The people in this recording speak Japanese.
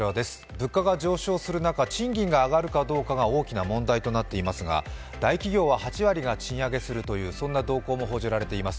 物価が上昇する中、賃金が上がるかどうかが大きな問題となっていますが、大企業は８割が賃上げするというそんな動向も報じられています。